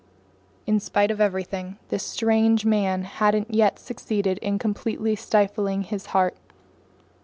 In spite of everything, this strange man hadn't yet succeeded in completely stifling his heart.